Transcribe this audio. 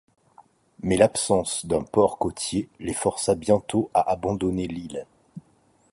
Mais l'absence d'un port côtier les força bientôt à abandonner l'île.